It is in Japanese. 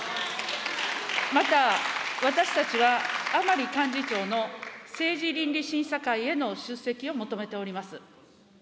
また私たちは、甘利幹事長の政治倫理審査会への出席を求めております。